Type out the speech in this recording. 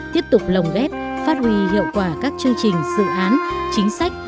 tiếp tục lồng ghép phát huy hiệu quả các chương trình dự án chính sách